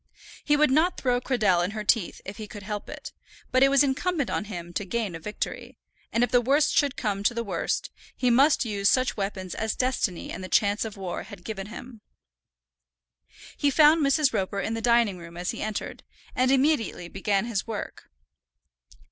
He would not throw Cradell in her teeth if he could help it; but it was incumbent on him to gain a victory, and if the worst should come to the worst, he must use such weapons as destiny and the chance of war had given him. He found Mrs. Roper in the dining room as he entered, and immediately began his work.